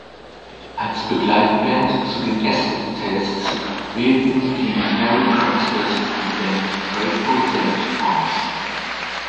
Als Begleitband zu den Acid-Tests wählten die "Merry Pranksters" die Band Grateful Dead aus.